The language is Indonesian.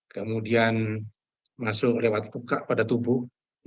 kemudian masuk lewat muka pada tubuh